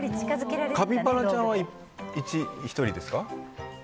カピバラちゃんは１人ですか？